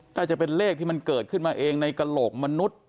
น่าจะเป็นเลขที่มันเกิดขึ้นมาเองในกระโหลกมนุษย์